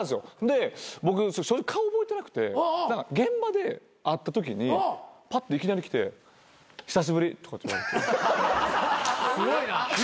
で僕正直顔覚えてなくて現場で会ったときにパッていきなり来て「久しぶり」とかって。